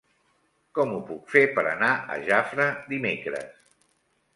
Com ho puc fer per anar a Jafre dimecres?